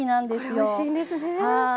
これおいしいんですね。